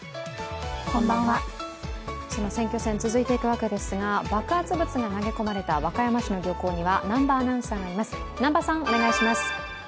その選挙戦、続いていくわけですが爆発物が投げ込まれた和歌山県の漁港には南波アナウンサーがいます。